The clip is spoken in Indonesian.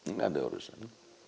nggak ada urusan